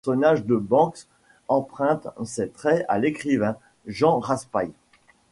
Le personnage de Banks emprunte ses traits à l'écrivain Jean Raspail.